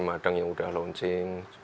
madang yang udah launching